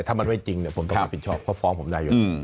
ถ้ามันไม่จริงเนี่ยผมต้องมีผิดชอบครับเพราะฟ้อมผมใจอยู่